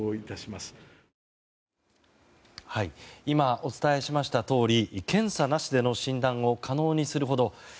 今、お伝えしましたとおり検査なしでの診断を可能にするほど